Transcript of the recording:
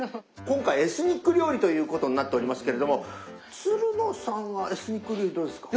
今回エスニック料理ということになっておりますけれどもつるのさんはエスニック料理どうですか？